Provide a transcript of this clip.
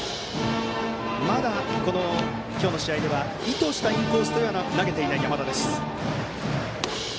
まだ、今日の試合では意図したインコースは投げていない山田です。